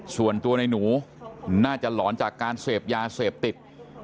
ส่วนตัวในหนูน่าจะหลอนจากการเสพยาเสพติด